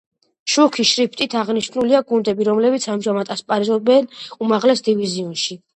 მუქი შრიფტით აღნიშნულია გუნდები რომლებიც ამჟამად ასპარეზობენ უმაღლეს დივიზიონში.